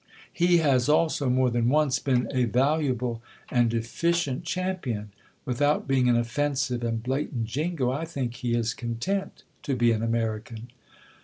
He has also more than once been a valuable and efficient champion. Without being an offensive and blatant Jingo, I think he is content to be an American.